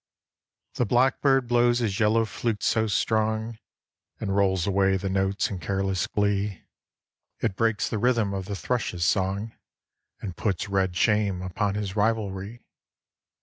The blackbird blows his yellow flute so strong. And rolls away the notes in careless glee, 49 so EVENING IN MAY It breaks the rhythm of the thrushes' song, And puts red shame upon his rivalry.